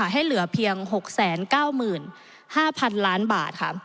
ให้เหลือเพียง๖๙๕๐๐๐ล้านบาทค่ะ